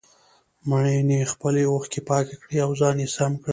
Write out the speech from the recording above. مينې خپلې اوښکې پاکې کړې او ځان يې سم کړ.